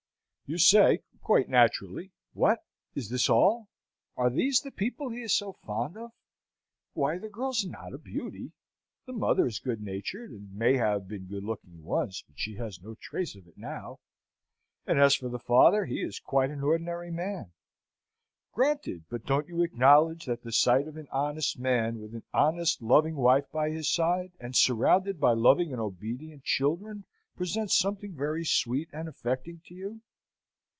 You say (quite naturally), What? Is this all? Are these the people he is so fond of? Why, the girl's not a beauty the mother is good natured, and may have been good looking once, but she has no trace of it now and, as for the father, he is quite an ordinary man. Granted but don't you acknowledge that the sight of an honest man, with an honest, loving wife by his side, and surrounded by loving and obedient children, presents something very sweet and affecting to you?